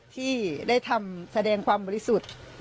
ที่ได้ทำแสดงความบริสุทธิ์